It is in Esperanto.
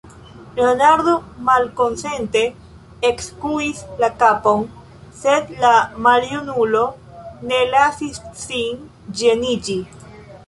Leonardo malkonsente ekskuis la kapon, sed la maljunulo ne lasis sin ĝeniĝi.